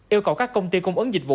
yêu cầu các công ty cung ứng dịch vụ